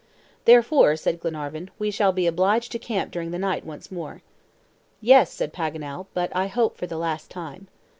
"Therefore," said Glenarvan, "we shall be obliged to camp during the night once more." "Yes," said Paganel, "but I hope for the last time."